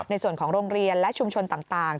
ในส่วนของโรงเรียนและชุมชนต่าง